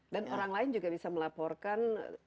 dan orang lain juga bisa melaporkan